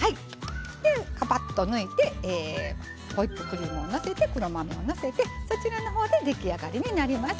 カパッと抜いてホイップクリームをのせて黒豆をのせてそちらの方で出来上がりになります。